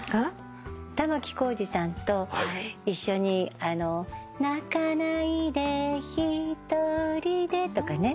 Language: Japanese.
玉置浩二さんと一緒に「泣かないでひとりで」とかね。